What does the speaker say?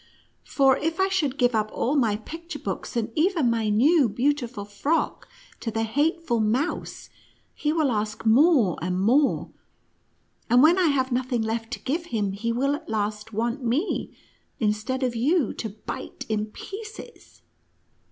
for, if I should give up all my picture books, and even my new, beautiful frock, to the hateful mouse, he will ask more and more. And, when I have nothing left to give him, he will at last want me, instead of you, to bite in pieces."